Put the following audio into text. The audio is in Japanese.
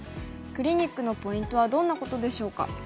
クリニックのポイントはどんなことでしょうか。